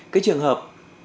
cái trường hợp